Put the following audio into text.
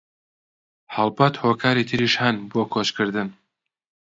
هەڵبەت هۆکاری تریش هەن بۆ کۆچکردن